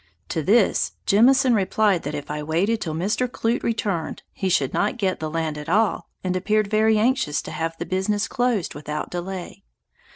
To this Jemison replied that if I waited till Mr. Clute returned, he should not get the land at all, and appeared very anxious to have the business closed without delay.